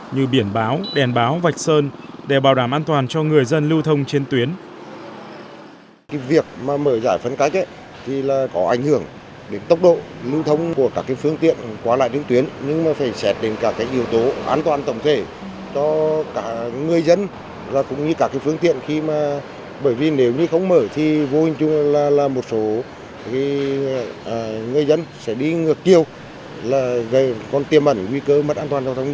như biển báo đèn báo vạch sơn để bảo đảm an toàn cho người dân lưu thông trên tuyến